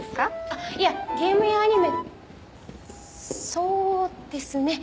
そうですね。